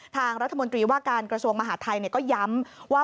ทางรัฐมนตรีว่าการกระทรวงมหาทัยก็ย้ำว่า